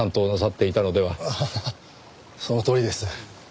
ああそのとおりです。